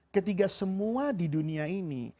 ketika semua di dunia ini